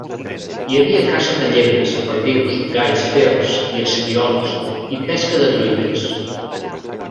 Hi havia caça de llebres, perdius, galls fers i esquirols, i pesca de truites.